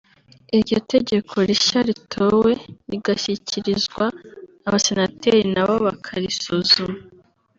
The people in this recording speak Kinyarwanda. iryo tegeko rishya ritowe rigashyikirizwa abasenateri nabo bakarisuzuma